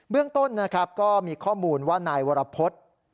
เบื้องต้นก็มีข้อมูลว่านายวรพฤต